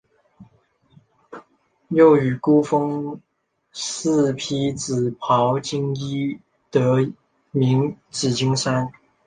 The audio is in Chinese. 又以孤峰似披紫袍金衣得名紫金山。